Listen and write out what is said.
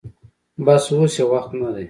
بس اوس يې وخت نه دې.